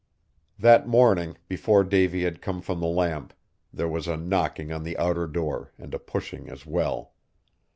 That morning, before Davy had come from the lamp, there was a knocking on the outer door, and a pushing as well.